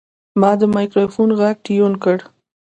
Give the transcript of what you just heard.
ما د مایکروفون غږ ټیون کړ.